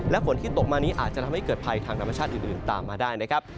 และฝนที่ตกมานี้อาจจะทำให้เกิดภัยทางธรรมชาติอื่นตามมาได้นะครับ